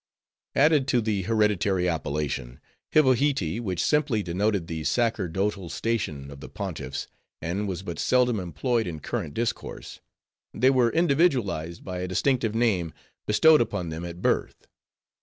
Added to the hereditary appellation, Hivohitee, which simply denoted the sacerdotal station of the Pontiffs, and was but seldom employed in current discourse, they were individualized by a distinctive name, bestowed upon them at birth.